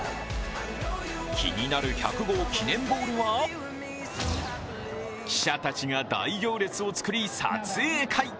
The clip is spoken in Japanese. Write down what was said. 気になる１００号記念ボールは記者たちが大行列を作り、撮影会。